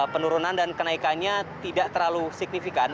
penurunan dan kenaikannya tidak terlalu signifikan